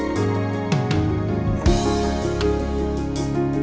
ya papa duluan ya